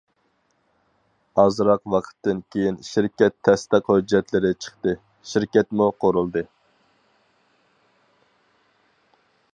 ئازراق ۋاقىتتىن كېيىن شىركەت تەستىق ھۆججەتلىرى چىقتى، شىركەتمۇ قۇرۇلدى.